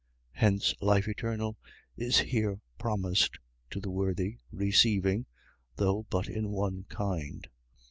Hence, life eternal is here promised to the worthy receiving, though but in one kind.